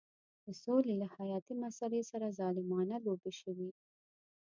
د سولې له حیاتي مسلې سره ظالمانه لوبې شوې.